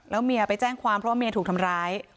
เมียไปแจ้งความเพราะว่าเมียถูกทำร้าย